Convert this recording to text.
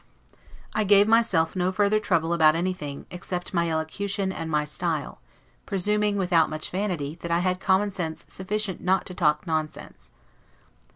I gave myself no further trouble about anything, except my elocution, and my style; presuming, without much vanity, that I had common sense sufficient not to talk nonsense.